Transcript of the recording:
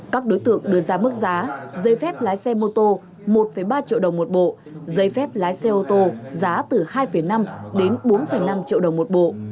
các đối tượng đưa ra mức giá giấy phép lái xe mô tô một ba triệu đồng một bộ giấy phép lái xe ô tô giá từ hai năm đến bốn năm triệu đồng một bộ